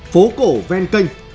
phố cổ ven kênh